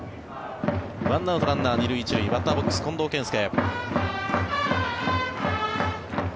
１アウト、ランナー２塁１塁バッターボックス、近藤健介。